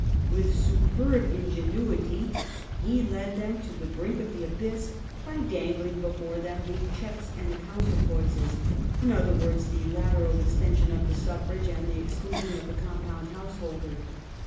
With superb ingenuity, he led them to the brink of the abyss by dangling before them the " checks and counterpoises "— in other words the *' lateral " extension of the suffrage, and the exclusion of the compound householder.